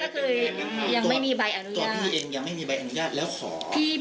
ตัวพี่เองยังไม่มีใบอนุญาตแล้วขอ